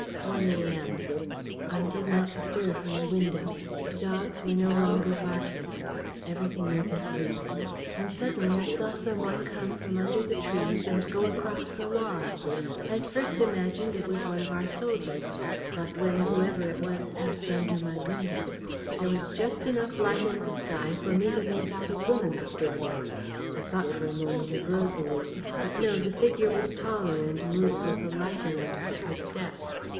... "1 a. m. "I did not stir from the window. The dogs were no longer barking. Everything was asleep. And suddenly I saw some one come from under the trees and go across the lawn. I at first imagined it was one of our soldiers. But, when whoever it was passed under my window, there was just enough light in the sky for me to make out a woman's figure. I thought for a moment of Rosalie. But no, the figure was taller and moved with a lighter and quicker step.